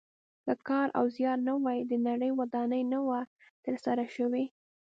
که کار او زیار نه وای د نړۍ ودانۍ نه وه تر سره شوې.